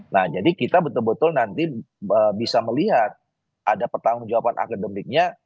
nah jadi kita betul betul nanti bisa melihat ada pertanggung jawaban akademiknya